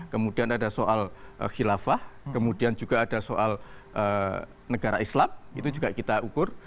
kemudian ada soal khilafah kemudian juga ada soal negara islam itu juga kita ukur